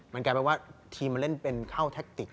มันกลายเป็นว่าทีมมันเล่นเป็นเข้าแท็กติก